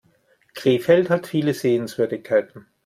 Krefeld hat viele Sehenswürdigkeiten